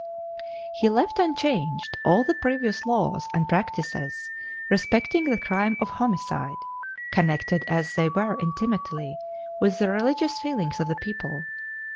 He left unchanged all the previous laws and practices respecting the crime of homicide, connected as they were intimately with the religious feelings of the people.